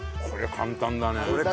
簡単だね。